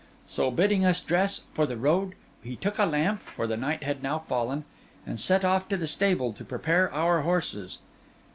So, bidding us dress for the road, he took a lamp (for the night had now fallen) and set off to the stable to prepare our horses.